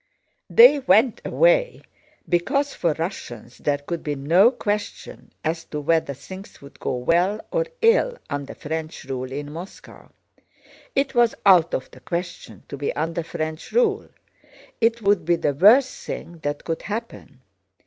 They went away because for Russians there could be no question as to whether things would go well or ill under French rule in Moscow. It was out of the question to be under French rule, it would be the worst thing that could happen.